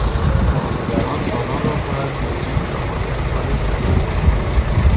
تماشاگران سالن را پر از بطری و پاکت خالی کردند.